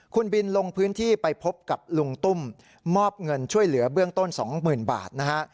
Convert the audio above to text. คุณบินลงพื้นที่ไปพบกับลุงตุ้มมอบเงินช่วยเหลือเบื้องต้น๒๐๐๐บาทนะฮะ